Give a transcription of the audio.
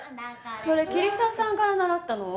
それ桐沢さんから習ったの？